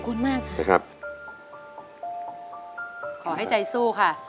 ขอให้ใจสู้ค่ะ